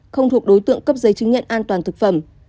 không thuộc đối tượng cấp giấy chứng nhận an toàn thực phẩm